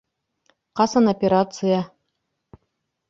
Ҡасан операция?